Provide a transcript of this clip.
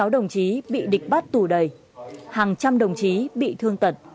bốn mươi sáu đồng chí bị địch bắt tù đầy hàng trăm đồng chí bị thương tật